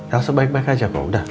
elsa baik baik aja kok udah